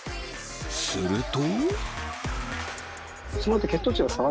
すると。